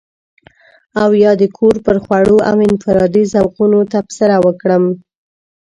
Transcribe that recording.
او يا د کور پر خوړو او انفرادي ذوقونو تبصره وکړم.